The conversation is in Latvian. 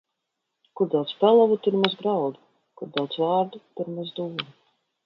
Kur daudz pelavu, tur maz graudu; kur daudz vārdu, tur maz domu.